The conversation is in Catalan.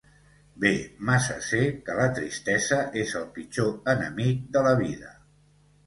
Bé massa sé que la tristesa és el pitjor enemic de la vida.